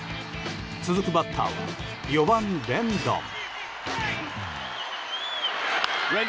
続くバッターは４番、レンドン。